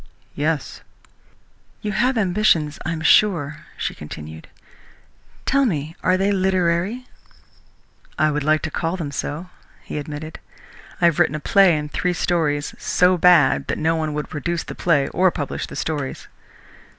"Yes!" "You have ambitions, I am sure," she continued. "Tell me, are they literary?" "I would like to call them so," he admitted. "I have written a play and three stories, so bad that no one would produce the play or publish the stories."